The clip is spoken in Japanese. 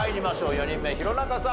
４人目弘中さん